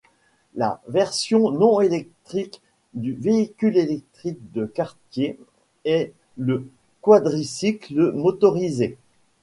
La version non électrique du véhicule électrique de quartier est le quadricycle motorisé.